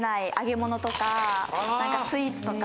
スイーツとか。